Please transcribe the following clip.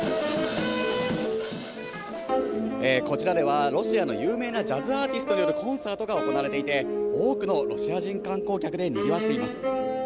こちらでは、ロシアの有名なジャズアーティストによるコンサートが行われていて、多くのロシア人観光客でにぎわっています。